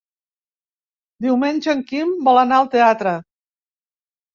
Diumenge en Quim vol anar al teatre.